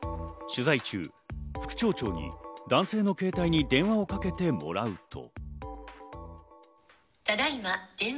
取材中、副町長に男性の携帯に電話をかけてもらうと。